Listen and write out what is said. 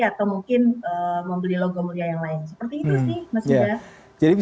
atau mungkin membeli logam mulia yang lain